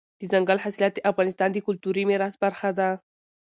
دځنګل حاصلات د افغانستان د کلتوري میراث برخه ده.